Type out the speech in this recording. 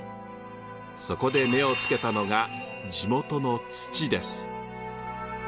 そこで目をつけたのが地元の土です。